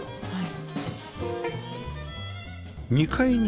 はい。